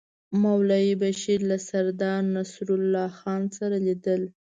مولوي بشیر له سردار نصرالله خان سره لیدل.